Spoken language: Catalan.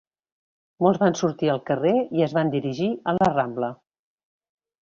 Molts van sortir al carrer i es van dirigir a La Rambla.